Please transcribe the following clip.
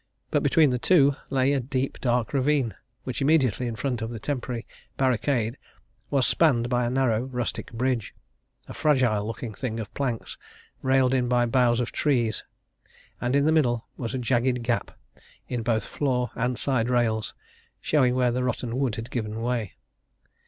But between the two lay a deep, dark ravine, which, immediately in front of the temporary barricade, was spanned by a narrow rustic bridge a fragile looking thing of planks, railed in by boughs of trees. And in the middle was a jagged gap in both floor and side rails, showing where the rotten wood had given way.